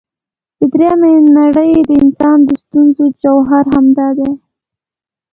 د درېمې نړۍ د انسان د ستونزې جوهر همدا دی.